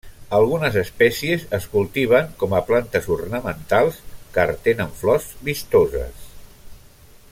Algunes espècies es cultiven com a plantes ornamentals car tenen flors vistoses.